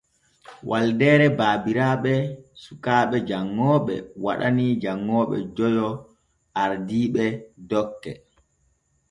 Waldeere baabiraaɓe sukaaɓe janŋooɓe waɗanii janŋooɓe joyo ardiiɓe dokke.